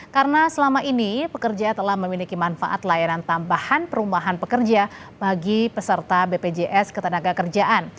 karena selama ini pekerja telah memiliki manfaat layanan tambahan perumahan pekerja bagi peserta bpjs ketenagakerjaan